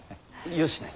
よしなに。